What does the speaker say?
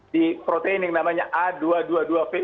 di proteining namanya a dua ratus dua puluh dua v